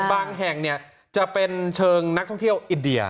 บางแห่งจะเป็นเชิงนักท่องเที่ยวอินเดีย